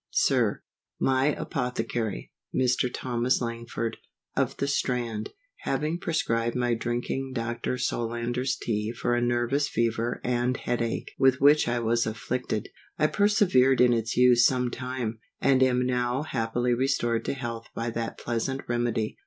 SIR, MY apothecary, Mr. Thomas Langford, of the Strand, having prescribed my drinking Dr. Solander's Tea for a nervous fever and head ache with which I was afflicted, I persevered in its use some time, and am now happily restored to health by that pleasant remedy.